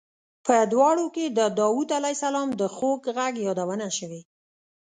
په دواړو کې د داود علیه السلام د خوږ غږ یادونه شوې.